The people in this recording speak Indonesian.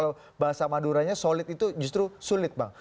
kalau bahasa maduranya solid itu justru sulit bang